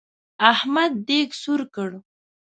احمد دېګ سور کړ.